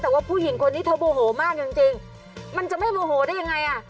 แต่ว่าผู้หญิงคนนี้เธอโมโหมากจริงจริงมันจะไม่โมโหได้ยังไงอ่ะ